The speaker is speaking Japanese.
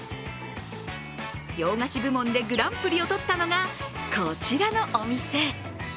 洋菓子部門でグランプリを取ったのが、こちらのお店。